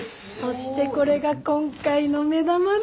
そしてこれが今回の目玉の。